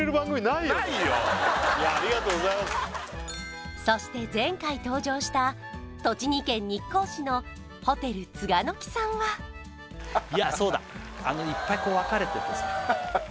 いやありがとうございますそして前回登場した栃木県日光市のホテル栂の季さんはいやそうだいっぱいこう分かれててさハハハ